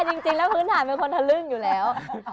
จริงแล้วพื้นฐานเป็นคนทะลึ่งอยู่แล้ว